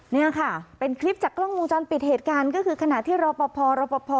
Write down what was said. นี่ค่ะเป็นคลิปจากกล้องวงจรปิดเหตุการณ์ก็คือขณะที่รอปภรอปภ